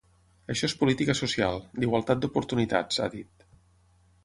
Això és política social, d’igualtat d’oportunitats, ha dit.